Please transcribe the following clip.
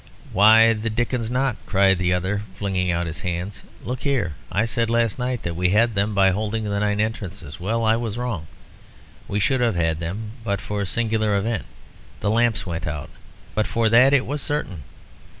"Why the dickens not?" cried the other, flinging out his hands. "Look here. I said last night that we had them by holding the nine entrances. Well, I was wrong. We should have had them but for a singular event the lamps went out. But for that it was certain.